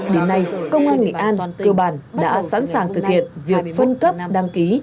đến nay công an nghệ an cơ bản đã sẵn sàng thực hiện việc phân cấp đăng ký